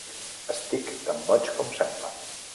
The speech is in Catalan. Estic tan boig com sembla.